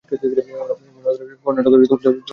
এর আসল কারণ হল কর্ণাটকে চন্দন কাঠের অরণ্য হ্রাস।